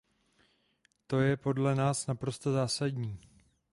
To je podle nás naprosto zásadní.